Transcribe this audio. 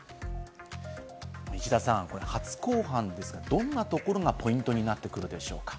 石田さん、初公判ですが、どんなところがポイントになってくるでしょうか？